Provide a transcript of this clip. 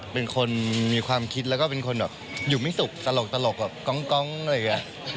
เป็นคนมีความคิดแล้วก็เป็นคนแบบอยู่ไม่สุขตลกแบบกล้องอะไรอย่างนี้